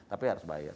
tapi harus bayar